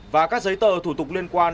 và các giấy tờ thủ tục liên quan